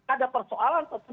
ada persoalan tetap